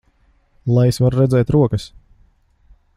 Lai es varu redzēt rokas!